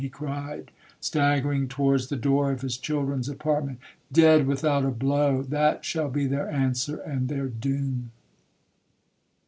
he cried, staggering towards the door of his children's apartment 'Dead without a blow!—that shall be their answer and their doom.'